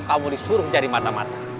kamu disuruh cari mata mata